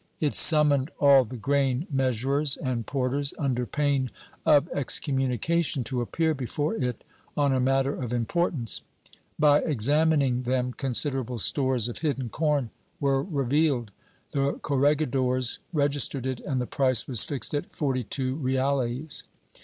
It sum moned all the grain measurers and porters, under pain of excom munication, to appear before it on a matter of importance. By examining them, considerable stores of hidden corn were revealed; the corregidores registered it and the price was fixed at forty two reales.